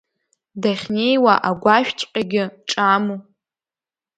Дахьнеиуа агәашәҵәҟьагьы ҿаму…